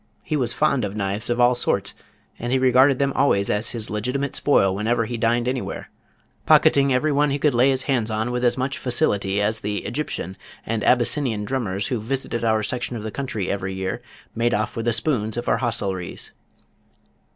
He was fond of knives of all sorts, and he regarded them always as his legitimate spoil whenever he dined anywhere, pocketing every one he could lay his hands on with as much facility as the Egyptian, and Abyssinian drummers who visited our section of the country every year made off with the spoons of our hostelries.